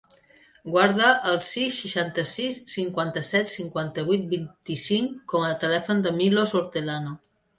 Guarda el sis, seixanta-sis, cinquanta-set, cinquanta-vuit, vint-i-cinc com a telèfon del Milos Hortelano.